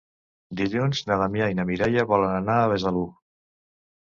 Dilluns na Damià i na Mireia volen anar a Besalú.